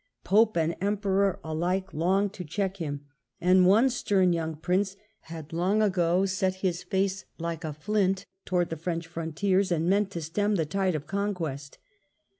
Pope and Emperor alike longed to check him. And one stem young Prince had long ago set his face like a flint towards the French frontiers, and meant to stem the tide of conquest.